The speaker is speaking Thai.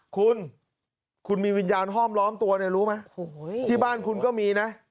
คุณคุณมีวิญญาณห้อมล้อมตัวเนี่ยรู้ไหมที่บ้านคุณก็มีนะ